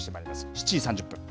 ７時３０分。